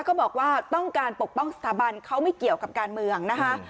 ก็บอกว่าต้องการปกป้องสถาบันเขาไม่เกี่ยวกับการเมืองนะคะ